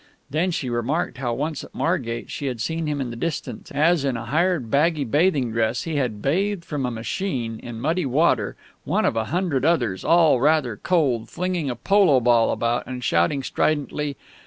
Then she remarked how once, at Margate, she had seen him in the distance, as in a hired baggy bathing dress he had bathed from a machine, in muddy water, one of a hundred others, all rather cold, flinging a polo ball about and shouting stridently.